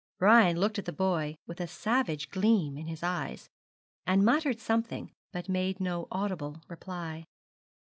Brian looked at the boy with a savage gleam in his eyes, and muttered something, but made no audible reply.